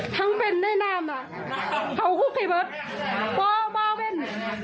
ทั้งเป็นได้นามอ่ะเขาก็คิดว่าป๊อบป๊อบเป็น